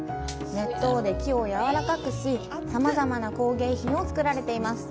熱湯で木をやわらかくし、さまざまな工芸品を作られています。